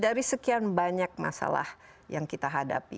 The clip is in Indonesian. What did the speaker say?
dari sekian banyak masalah yang kita hadapi